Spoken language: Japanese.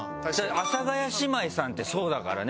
阿佐ヶ谷姉妹さんってそうだからね。